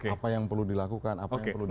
apa yang perlu dilakukan